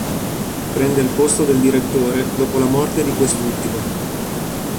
Prende il posto del direttore dopo la morte di quest'ultimo.